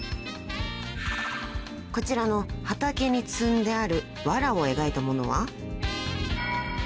［こちらの畑に積んであるわらを描いたものは］